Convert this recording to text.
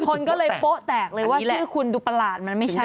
คนก็เลยโป๊ะแตกเลยว่าชื่อคุณดูประหลาดมันไม่ใช่